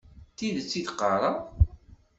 D tidet i d-qqareɣ.